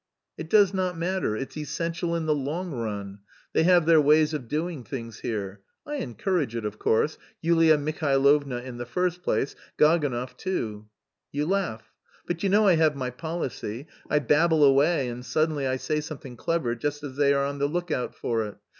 "It does not matter; it's essential in the long run. They have their ways of doing things here. I encourage it, of course; Yulia Mihailovna, in the first place, Gaganov too.... You laugh? But you know I have my policy; I babble away and suddenly I say something clever just as they are on the look out for it.